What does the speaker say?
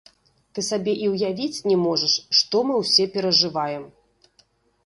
Ты сабе і ўявіць не можаш, што мы ўсе перажываем.